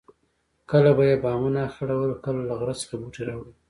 کله به یې بامونه اخیړول او کله له غره څخه بوټي راوړل.